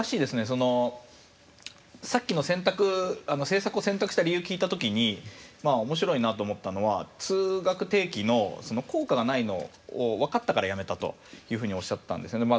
そのさっきの選択政策を選択した理由聞いた時に面白いなと思ったのは通学定期の効果がないのを分かったからやめたというふうにおっしゃったんですよね。